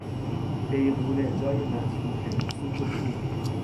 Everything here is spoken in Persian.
بیغوله، جای متروکه، سوت و کور